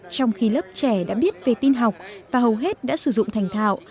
trong khi lớp trẻ đã biết về tin học và hầu hết đã sử dụng thành thạo